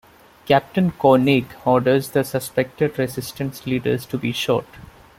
Captain Koenig orders the suspected resistance leaders to be shot.